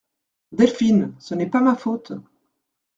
Delphine Ce n'est pas ma faute …